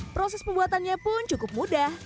proses pembuatannya pun cukup mudah